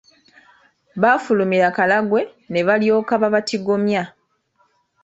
Baafulumira Karagwe ne balyoka babatigomya.